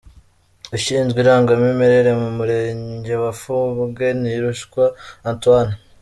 Ushinzwe irangamimerere mu murenge wa Fumbwe Ntirushwa Antoine,.